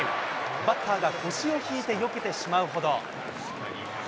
バッターが腰を引いてよけてしまうほど。